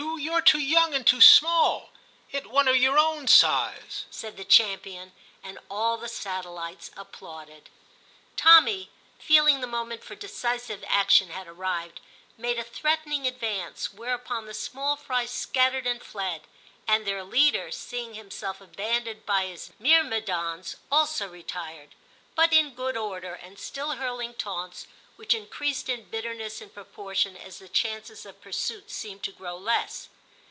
You're too young and too small ; 'it one o' your own size,' said the champion, and all the satellites applauded. Tommy, feeling the moment for decisive VI TIM 129 action had arrived, made a threatening advance, whereupon the small fry scattered and fled; and their leader, seeing himself abandoned by his myrmidons, also retired, but in good order, and still hurling taunts, which increased in bitterness in proportion as the chances of pursuit seemed to grow less.